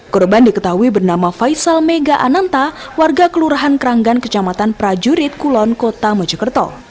korban diketahui bernama faisal mega ananta warga kelurahan keranggan kecamatan prajurit kulon kota mojokerto